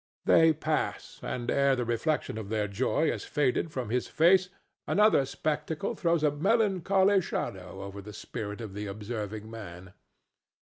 They pass, and ere the reflection of their joy has faded from his face another spectacle throws a melancholy shadow over the spirit of the observing man.